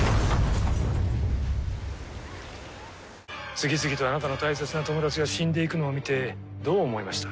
次々とあなたの大切な友達が死んでいくのを見てどう思いました？